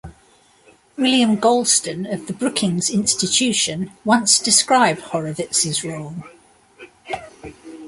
William Galston of the Brookings Institution once described Horowitz's role.